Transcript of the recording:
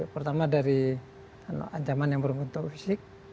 pertama dari ancaman yang berbentuk fisik